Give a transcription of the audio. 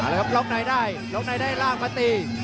แล้วครับล็อกในได้ล็อกในได้ล่างมาตี